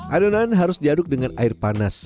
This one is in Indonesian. adonan harus diaduk dengan air panas